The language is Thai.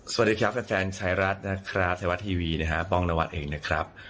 สวัสดีครับแฟนชายรัฐนะครับไทยรัฐทีวีนะฮะป้องนวัดเองนะครับ